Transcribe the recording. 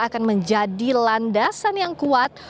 akan menjadi landasan yang kuat